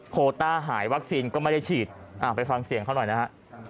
โคต้าหายวัคซีนก็ไม่ได้ฉีดไปฟังเสียงเขาหน่อยนะฮะ